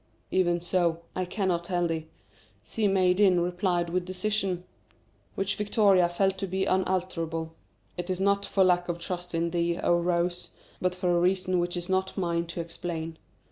"Even so, I cannot tell thee," Si Maïeddine replied with decision which Victoria felt to be unalterable. "It is not for lack of trust in thee, O Rose, but for a reason which is not mine to explain.